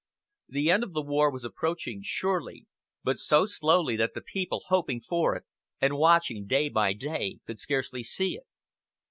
The end of the war was approaching, surely, but so slowly that the people, hoping for it, and watching day by day, could scarcely see it.